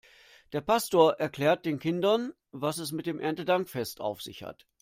Der Pastor erklärt den Kindern, was es mit dem Erntedankfest auf sich hat.